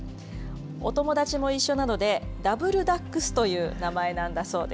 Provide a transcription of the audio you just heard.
お友達も一緒なので、ダブル・ダックスという名前なんです。